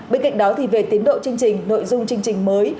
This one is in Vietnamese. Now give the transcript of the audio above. bên cạnh đó về tiến độ chương trình nội dung chương trình mới